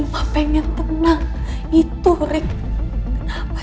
tak punya siapa siapa